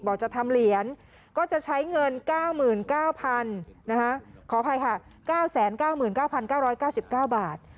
บอกว่าจะทำเหรียญก็จะใช้เงิน๙๙๙๙๙บาท